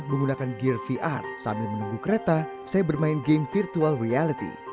menggunakan gear vr sambil menunggu kereta saya bermain game virtual reality